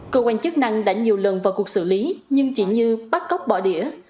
cơ quan chức năng đã nhiều lần vào cuộc xử lý nhưng chỉ như bắt cóc bỏ đĩa